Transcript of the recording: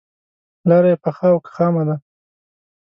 لاره یې پخه او که خامه ده.